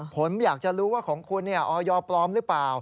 ผมอยากจะรู้ว่าของคุณออยปลอมหรือเปล่า